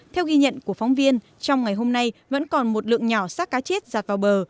theo ghi nhận của phóng viên trong ngày hôm nay vẫn còn một lượng nhỏ sát cá chết giặt vào bờ